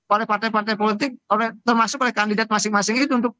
oleh partai partai politik termasuk oleh kandidat masing masing itu untuk